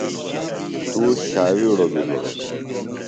توش ݜاوِیڑوۡ بیۡ ہِڑوۡ۔